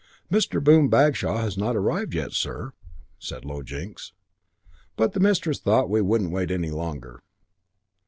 "Mr. Boom Bagshaw has not arrived yet, sir," said Low Jinks; "but the mistress thought we wouldn't wait any longer."